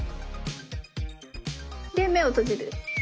で目を閉じる。